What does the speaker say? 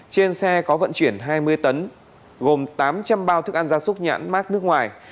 trên xe có vận chuyển hai mươi tấn gồm tám trăm linh bao thức ăn gia súc nhãn mát nước ngoài